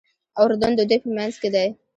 اردن د دوی په منځ کې دی.